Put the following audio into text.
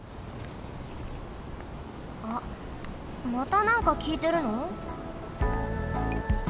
あっまたなんかきいてるの？